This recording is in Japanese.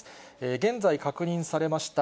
現在確認されました。